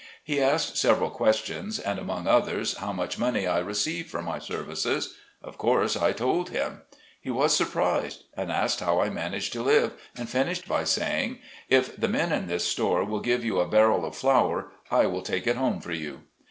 He asked several questions, and among others, how much money I received for my services. Of course, I told him. He was sur prised, and asked how I managed to live, and finished by saying, " If the men in this store will give you a barrel of flour, I will take it home for you."